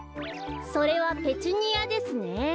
それはペチュニアですね。